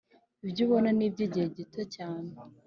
Ibyo ubona ni iby’igihe gito cyane